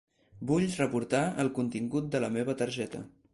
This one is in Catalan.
Vull reportar el contingut de la meva targeta.